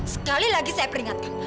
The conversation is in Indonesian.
sekali lagi saya peringatkan